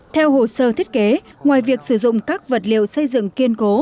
theo hồ sơ thiết kế ngoài việc sử dụng các vật liệu xây dựng kiên cố